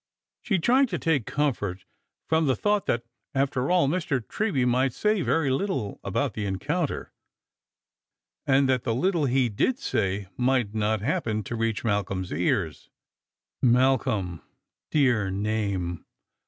She tried to take comfort from the thought that, after all, Mr. Treby might say very Httle about the encounter, and that the little he did say might not happen to reach Malcolm's ears. Malcolm ! dear name